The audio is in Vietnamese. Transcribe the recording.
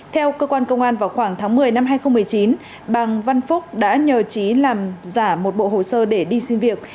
theo cơ quan công an vào khoảng tháng một mươi năm hai nghìn một mươi chín bằng văn phúc đã nhờ trí làm giả một bộ hồ sơ để đi xin việc